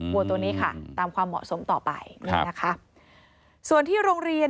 วัวตัวนี้ค่ะตามความเหมาะสมต่อไปนี่นะคะส่วนที่โรงเรียน